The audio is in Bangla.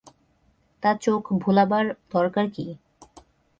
তা চোখ ভোলাবার দরকার কী।